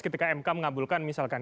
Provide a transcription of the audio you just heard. ketika mk mengabulkan misalkan